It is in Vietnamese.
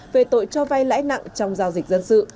về tội cho vay lãi nặng trong giao dịch dân sự